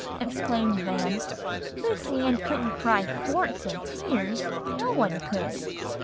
exclaimed Van, "Lucy Ann couldn't cry quarts of tears no one could."